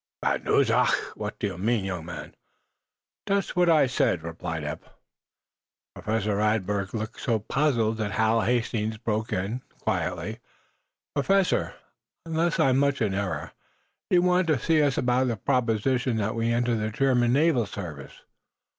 "Bad news? Ach! What do you mean, young man?" "Just what I said," replied Eph. Professor Radberg looked so puzzled that Hal Hastings broke in, quietly: "Professor, unless I'm much in error, you want to see us about a proposition that we enter the German naval service."